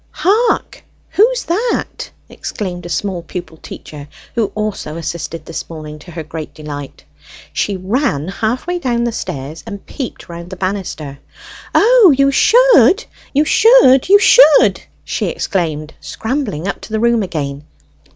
"Hark! Who's that?" exclaimed a small pupil teacher, who also assisted this morning, to her great delight. She ran half way down the stairs, and peeped round the banister. "O, you should, you should, you should!" she exclaimed, scrambling up to the room again.